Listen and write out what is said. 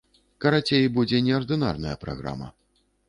Карацей, будзе неардынарная праграма.